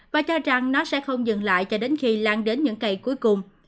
và cho rằng nó sẽ không dừng lại cho đến khi lan đến những cây cuối cùng